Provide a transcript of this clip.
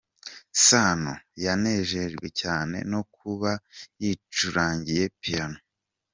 Sano yanejejwe cyane no kuba yicurangiye Piano.